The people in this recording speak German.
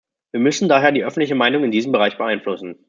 Wir müssen daher die öffentliche Meinung in diesem Bereich beeinflussen.